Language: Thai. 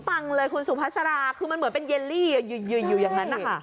ปังเลยคุณสุภาษาราคือมันเหมือนเป็นเยลลี่อยู่อย่างนั้นนะคะ